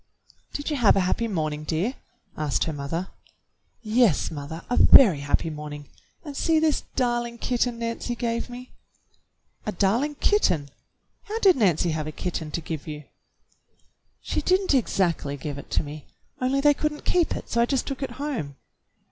"Did you have a happy morning, dear.^" asked her mother. "Yes, mother, a very happy morning, and see this darling kitten Nancy gave me." "A darling kitten! How did Nancy have a kitten to give you?" "She did n't exactly give it to me, only they could n't keep it, so I just took it home."